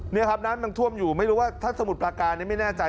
นี่ครับน้ำมันท่วมอยู่ไม่รู้ว่าถ้าสมุทรประการนี้ไม่แน่ใจ